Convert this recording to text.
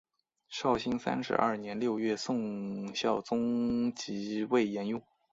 绍兴三十二年六月宋孝宗即位沿用。